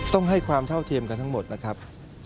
ต้องให้ความเท่าเทียมกันทั้งหมดนะครับ